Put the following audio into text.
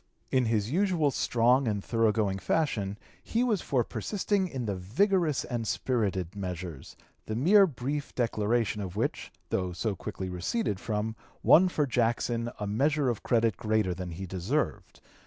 In his usual strong and thorough going fashion he was for (p. 236) persisting in the vigorous and spirited measures, the mere brief declaration of which, though so quickly receded from, won for Jackson a measure of credit greater than he deserved.